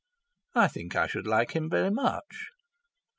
"I think I should like him very much."